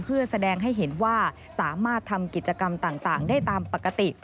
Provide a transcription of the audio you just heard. เพื่อแสดงให้เห็นว่าสามารถทำกิจกรรมต่างได้ตามปกติ